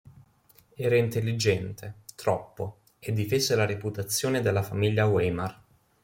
Era intelligente, troppo, e difese la reputazione della famiglia Weimar.